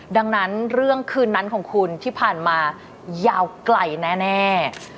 ดังนั้นเรื่องคืนนั้นของคุณที่ผ่านมายาวไกลแน่